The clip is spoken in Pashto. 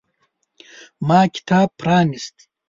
ما کتاب پرانیست.